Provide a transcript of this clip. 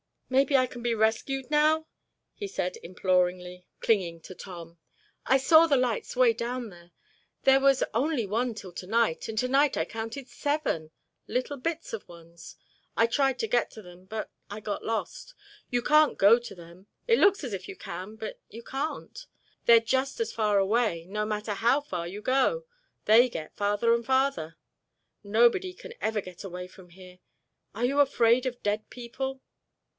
"Maybe I can be rescued now," he said imploringly, clinging to Tom. "I saw the lights way down there. There was only one till tonight and tonight I counted seven—little bits of ones. I tried to get to them, but I got lost. You can't go to them. It looks as if you can, but you can't. They're just as far away, no matter how far you go—they get farther and farther. Nobody can ever get away from here. Are you afraid of dead people?"